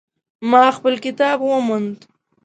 ما خپل کتاب وموند